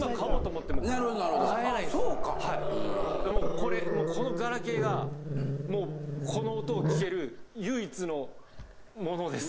これこのガラケーがもうこの音を聞ける唯一のモノです。